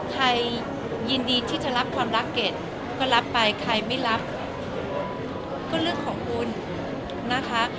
ใครยินดีที่จะรับความรักเก่งก็รับไปใครไม่รับก็เรื่องของคุณนะคะ